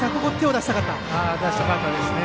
出したかったですね。